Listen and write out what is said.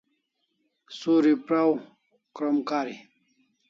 Suri praw krom kari